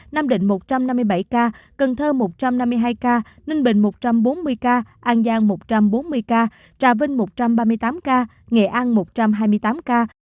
nam định một trăm năm mươi bảy ca cần thơ một trăm năm mươi hai ca ninh bình một trăm bốn mươi ca an giang một trăm bốn mươi ca trà vinh một trăm ba mươi tám ca nghệ an một trăm hai mươi tám ca